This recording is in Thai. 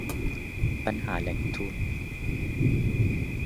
ปัญหาแหล่งทุน